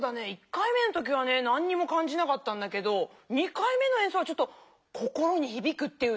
１回目の時はね何もかんじなかったんだけど２回目のえんそうはちょっと心にひびくっていうの？